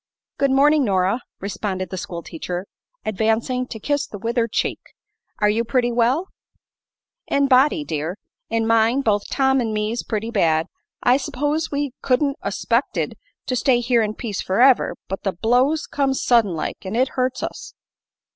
"Good morning, Nora," responded the schoolteacher, advancing to kiss the withered cheek. "Are you pretty well?" "In body, dear. In mind both Tom 'n' me's pretty bad. I s'pose we couldn't 'a 'spected to stay here in peace forever; but the blow's come suddin like, an' it hurts us."